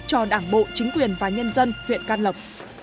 cho đảng bộ chính quyền và nhân dân huyện can lộc